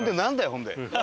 ほんで。